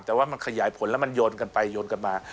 แต่ว่ามันขยายผลแล้วมันโยนกันไปโยนกันมา